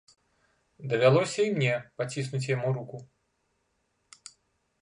Давялося і мне паціснуць яму руку.